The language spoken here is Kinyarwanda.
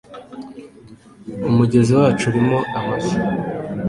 umugezi wacu urimo amafi